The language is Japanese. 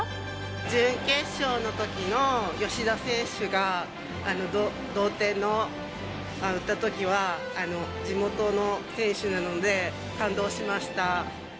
準決勝のときの吉田選手が、同点の打ったときは、地元の選手なので、感動しました。